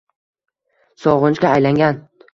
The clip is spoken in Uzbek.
sog‘inchga aylangan: